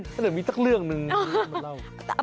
ถ้าเกิดมีสักเรื่องนึงมาเล่า